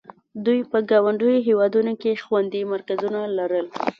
دوی په ګاونډیو هېوادونو کې خوندي مرکزونه لرل.